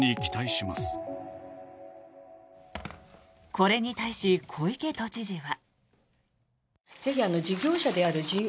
これに対し、小池都知事は。